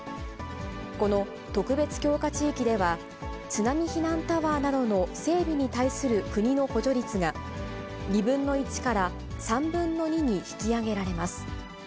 この特別強化地域では、津波避難タワーなどの整備に対する国の補助率が、２分の１から３分の２に引き上げられます。